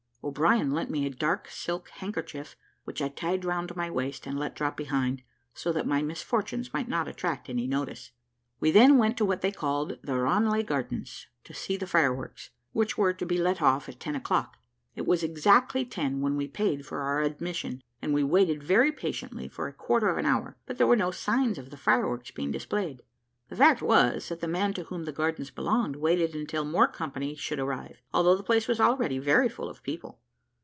O'Brien lent me a dark silk handkerchief, which I tied round my waist, and let drop behind, so that my misfortunes might not attract any notice. We then went to what they called the Ranelagh Gardens to see the fireworks, which were to be let off at ten o'clock. It was exactly ten when we paid for our admission, and we waited very patiently for a quarter of an hour, but there were no signs of the fireworks being displayed. The fact was, that the man to whom the gardens belonged waited until more company should arrive, although the place was already very full of people.